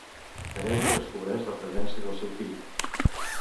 Teresa descobreix la presència del seu fill.